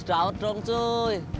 cuman mahu horses geometrikan